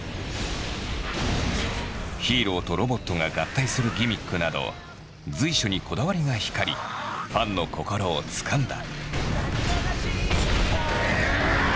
ヒーローとロボットが合体するギミックなど随所にこだわりが光りファンの心をつかんだ。